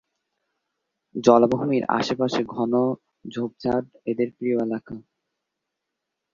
জলাভূমির আশেপাশে ঘন ঝোপঝাড় এদের প্রিয় এলাকা।